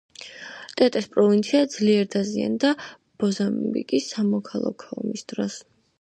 ტეტეს პროვინცია ძლიერ დაზიანდა მოზამბიკის სამოქალაქო ომის დროს.